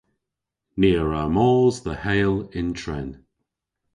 Ni a wra mos dhe Heyl yn tren.